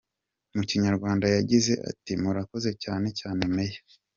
Mu Kinyarwanda yagize ati” Murakoze cyane cyane Mayor.